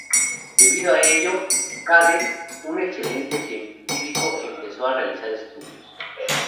Debido a ello, Cade, un excelente científico, empezó a realizar estudios.